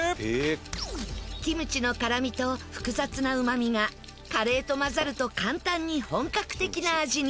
キムチの辛味と複雑なうまみがカレーと混ざると簡単に本格的な味に。